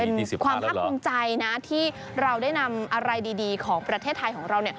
เป็นความภาคภูมิใจนะที่เราได้นำอะไรดีของประเทศไทยของเรา